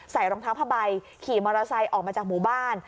รองเท้าผ้าใบขี่มอเตอร์ไซค์ออกมาจากหมู่บ้าน